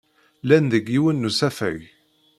Llan deg yiwen n usafag.